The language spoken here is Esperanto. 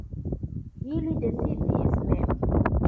Ili decidis mem.